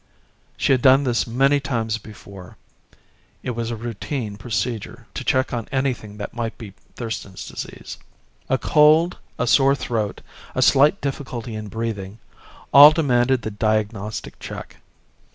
She had done this many times before. It was routine procedure to check on anything that might be Thurston's Disease. A cold, a sore throat, a slight difficulty in breathing all demanded the diagnostic check.